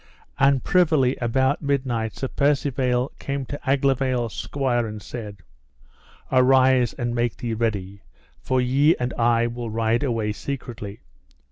And privily about midnight Sir Percivale came to Aglovale's squire and said: Arise and make thee ready, for ye and I will ride away secretly.